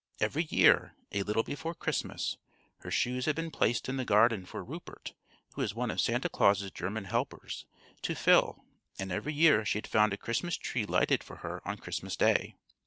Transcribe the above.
Every year, a little before Christmas, her shoes had been placed in the garden for Rupert, who is one of Santa Claus's German helpers, to fill, and every year she had found a Christmas tree lighted for her on Christmas Day.